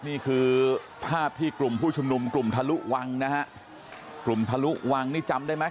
นี่คือภาพที่กลุ่มผู้ชุมนุมกลุ่มทะลุวังนะฮะกลุ่มทะลุวังนี่จำได้ไหม